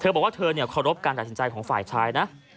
เธอบอกว่าเธอเนี่ยขอรบการตัดสินใจของฝ่ายชายนะ